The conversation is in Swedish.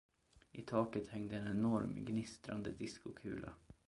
I taket hängde en enorm, gnistrande diskokula.